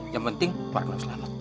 yang penting partner selamat